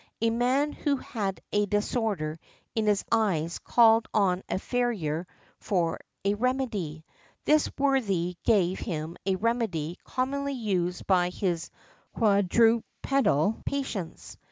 A man who had a disorder in his eyes called on a farrier for a remedy. This worthy gave him a remedy commonly used by his quadrupedal patients.